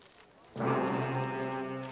何？